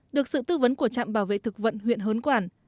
được sự tư vấn của trạm bảo vệ thực vận huyện hớn quản